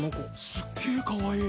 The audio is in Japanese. すっげぇかわいい。